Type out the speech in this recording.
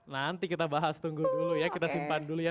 nanti kita bahas tunggu dulu ya kita simpan dulu ya